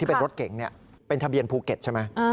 เป็นรถเก๋งเป็นทะเบียนภูเก็ตใช่ไหม